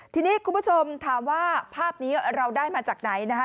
ทีนี้คุณผู้ชมถามว่าภาพนี้เราได้มาจากไหนนะคะ